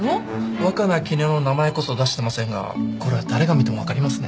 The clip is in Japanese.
若菜絹代の名前こそ出してませんがこれは誰が見ても分かりますね。